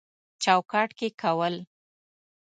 چوکاټ کې کول